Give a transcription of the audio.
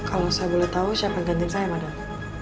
kalau saya boleh tau siapa yang ganti saya madang